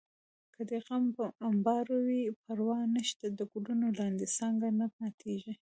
که دې غم په امبار وي پروا نشته د ګلونو لاندې څانګه نه ماتېږي